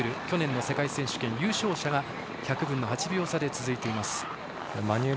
去年の世界選手権優勝者が１００分の８秒差で続いています。